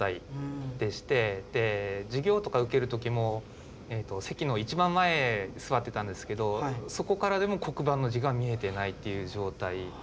で授業とか受ける時も席の一番前座ってたんですけどそこからでも黒板の字が見えてないっていう状態。